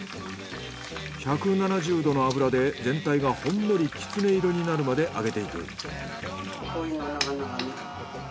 １７０℃の油で全体がほんのりキツネ色になるまで揚げていく。